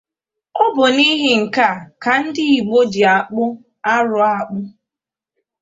Ọ bụ n'ihi nke a ka ndị Igbo ji akpụ arụ akpụ.